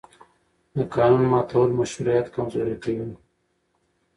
د قانون ماتول مشروعیت کمزوری کوي